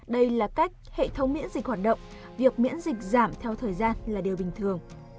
đây là cách hệ thống miễn dịch hoạt động việc miễn dịch giảm theo thời gian là điều bình thường